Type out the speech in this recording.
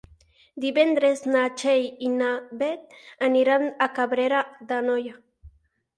Divendres na Txell i na Beth aniran a Cabrera d'Anoia.